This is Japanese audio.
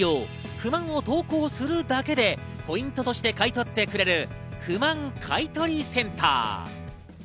不満を投稿するだけでポイントとして買い取ってくれる不満買取センター。